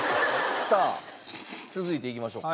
さあ続いていきましょうか。